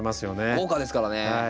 豪華ですからね。